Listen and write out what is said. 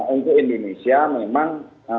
untuk indonesia memang